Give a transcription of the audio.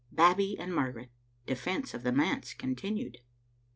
BABBIB AND MARGARET— DEFENCE OF THE MANSE CON TINUED.